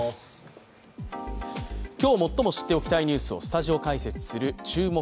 今日、最も知っておきたいニュースをスタジオ解説する「注目！